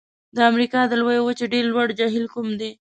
د امریکا د لویې وچې ډېر لوړ جهیل کوم دی؟